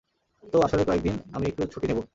তো, আসলে কয়েকদিন আমি একটু ছুটি নেবো।